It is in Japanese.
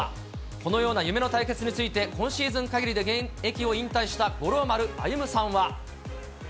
このような夢の対決について、今シーズン限りで現役を引退した五郎丸歩さんは。